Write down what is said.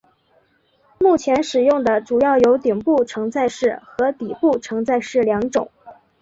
目前使用的主要有顶部承载式和底部承载式两种。